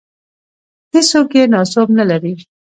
هېڅوک یې ناسوب نه لري.